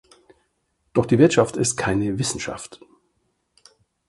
Doch die Wirtschaft ist keine Wissenschaft.